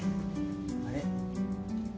あれ？